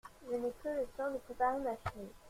Je n’ai que le temps de préparer ma fille…